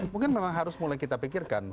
mungkin memang harus mulai kita pikirkan